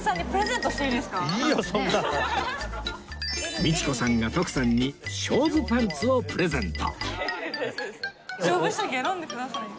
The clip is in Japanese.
道子さんが徳さんに勝負パンツをプレゼント